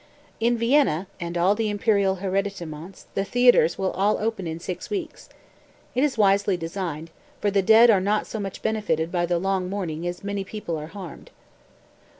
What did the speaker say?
208. "In Vienna and all the imperial hereditaments the theatres will all open in six weeks. It is wisely designed; for the dead are not so much benefited by the long mourning as many people are harmed."